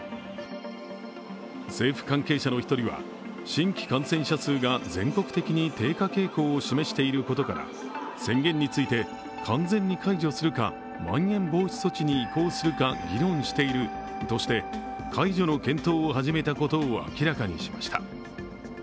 政府関係者の一人は、新規感染者数が全国的に低下傾向を示していることから宣言について、完全に解除するかまん延防止措置に移行するか議論しているとして解除の検討を始めたことを明らかにしました。